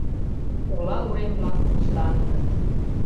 Ола урем-влак пустаҥыныт.